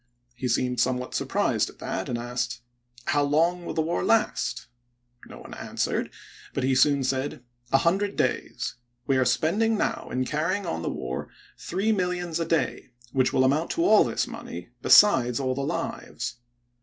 He seemed somewhat surprised at that and asked, i How long will the war last ?' No one answered, but he soon said: 'A hundred days. We are spending now in carrying on the war three millions a day, which will amount to all this money, be sides all the lives.'